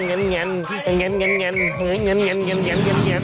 มากัน